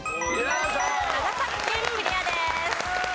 長崎県クリアです。